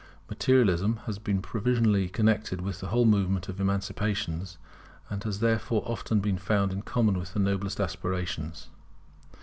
Materialism has been provisionally connected with the whole movement of emancipation, and it has therefore often been found in common with the noblest aspirations.